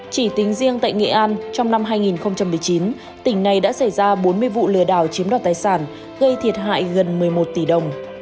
chỉ tính riêng tại nghệ an trong năm hai nghìn một mươi chín tỉnh này đã xảy ra bốn mươi vụ lừa đảo chiếm đoạt tài sản gây thiệt hại gần một mươi một tỷ đồng